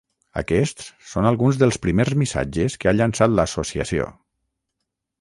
Aquests són alguns dels primers missatges que ha llançat l’associació.